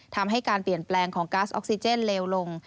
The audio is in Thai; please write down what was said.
ทำให้การเปลี่ยนแปลงของก๊าซออกซิเจนเลวลง